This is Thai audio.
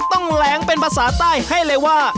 แหลงเป็นภาษาใต้ให้เลยว่า